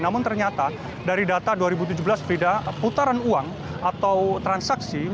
namun ternyata dari data dua ribu tujuh belas frida putaran uang atau transaksi